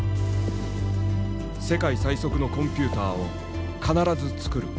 「世界最速のコンピューターを必ず作る。